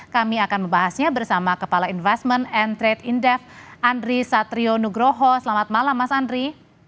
kami akan membahasnya bersama kepala investment and trade indef andri satrio nugroho selamat malam mas andri